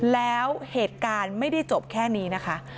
แล้วเหตุการณ์ไม่ได้จบแค่นี้นะคะ